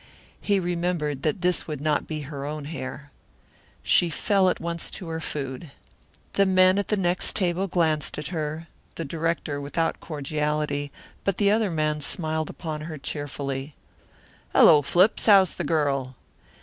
He remembered that this would not be her own hair. She fell at once to her food. The men at the next table glanced at her, the director without cordiality; but the other man smiled upon her cheerfully. "Hello, Flips! How's the girl?"